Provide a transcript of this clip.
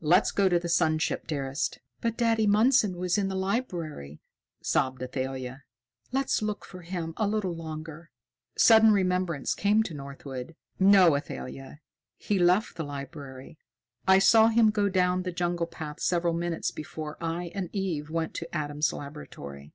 "Let's go to the sun ship, dearest." "But Daddy Mundson was in the library," sobbed Athalia. "Let's look for him a little longer." Sudden remembrance came to Northwood. "No, Athalia! He left the library. I saw him go down the jungle path several minutes before I and Eve went to Adam's laboratory."